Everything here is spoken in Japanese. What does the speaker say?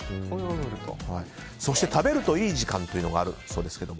そして食べるといい時間というのがあるそうですが。